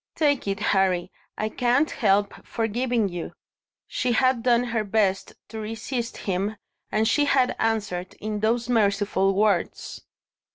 "Take it, Harry; I can't help forgiving you!" She had done her best to resist him, and she had answered in those merciful words.